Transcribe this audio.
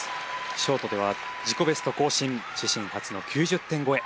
ショートでは自己ベスト更新自身初の９０点超え。